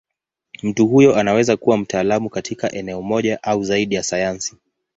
Mtu huyo anaweza kuwa mtaalamu katika eneo moja au zaidi ya sayansi.